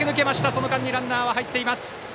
その間にランナーかえっています。